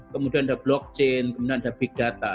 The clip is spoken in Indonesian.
kemudian ada blockchain kemudian ada big data